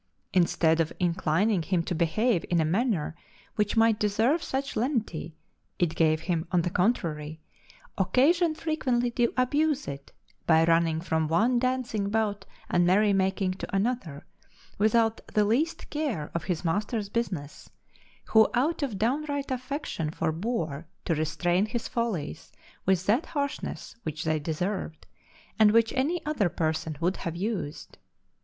Instead of inclining him to behave in a manner which might deserve such lenity, it gave him, on the contrary, occasion frequently to abuse it by running from one dancing bout and merry making to another, without the least care of his master's business, who out of downright affection forbore to restrain his follies with that harshness which they deserved, and which any other person would have used.